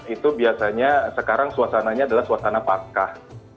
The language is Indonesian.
itu biasanya sekarang suasananya adalah suasana patah